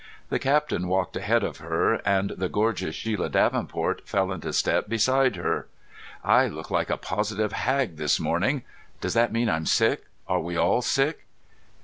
The captain walked ahead of her and the gorgeous Shelia Davenport fell into step beside her. "I look like a positive hag this morning. Does that mean I'm sick? Are we all sick?"